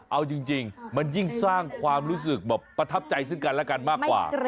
เอาจริงมันยิ่งสร้างความรู้สึกแบบประทับใจซึ่งกันและกันมากกว่า